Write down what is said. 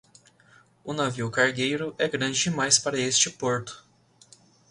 O navio cargueiro é grande demais para este porto.